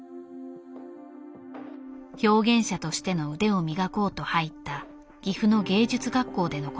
表現者としての腕を磨こうと入った岐阜の芸術学校での事だ。